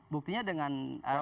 buktinya dengan ada